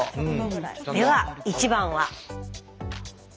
では１番は。